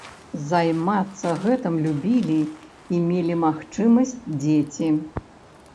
Займацца гэтым любілі і мелі магчымасць дзеці.